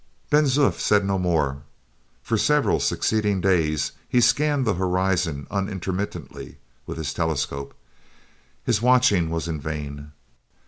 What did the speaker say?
Ben Zoof said no more. For several succeeding days he scanned the horizon unintermittently with his telescope. His watching was in vain.